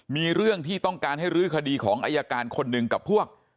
มีเรื่องที่ต้องการให้รื้อคดีของอายการคนหนึ่งกับพวก